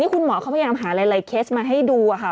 คุณหมอเขาพยายามหาหลายเคสมาให้ดูค่ะ